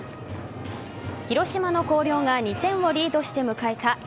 広島の広陵が２点をリードして迎えた